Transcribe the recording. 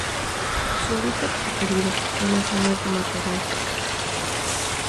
Su hábitat preferido son las zonas de matorral secas.